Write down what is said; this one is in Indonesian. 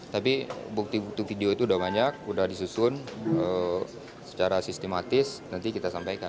tapi bukti bukti video itu sudah banyak sudah disusun secara sistematis nanti kita sampaikan